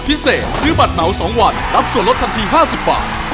พิเศษซื้อบัตรเหมาสองวันรับส่วนลดทันทีห้าสิบบาท